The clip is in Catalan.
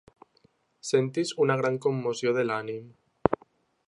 Sentis una gran commoció de l'ànim.